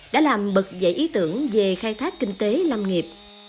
đã làm bật dậy ý tưởng về khai thác kinh tế lâm nghiệp